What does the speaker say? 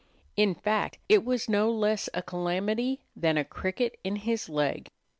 In fact, it was no less a calamity than a cricket in his leg.